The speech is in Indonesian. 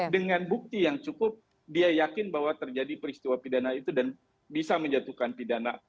dengan bukti yang cukup dia yakin bahwa terjadi peristiwa pidana itu dan bisa menjatuhkan pidana